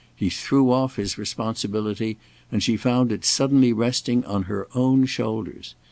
He threw off his responsibility and she found it suddenly resting on her own shoulders.